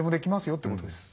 よってことです。